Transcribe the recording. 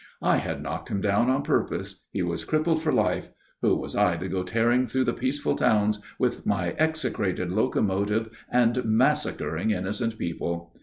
I had knocked him down on purpose. He was crippled for life. Who was I to go tearing through peaceful towns with my execrated locomotive and massacring innocent people?